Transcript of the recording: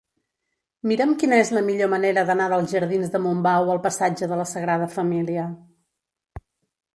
Mira'm quina és la millor manera d'anar dels jardins de Montbau al passatge de la Sagrada Família.